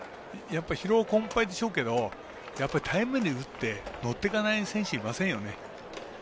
やっぱり疲労困ぱいでしょうけど対面で打って乗っていかない選手いませんよね。